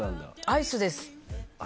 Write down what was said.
アイスです。